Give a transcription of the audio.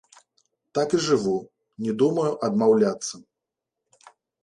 Так і жыву, не думаю адмаўляцца.